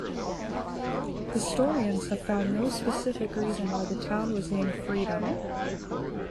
Historians have found no specific reason why the town was named Freedom.